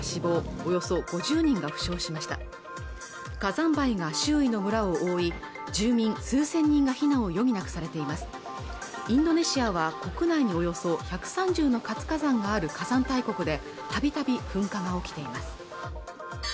およそ５０人が負傷しました火山灰が周囲の村を覆い住民数千人が避難を余儀なくされていますインドネシアは国内におよそ１３０の活火山がある火山大国でたびたび噴火が起きています